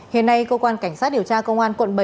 hiện nay cơ quan cảnh sát điều tra công an quận bảy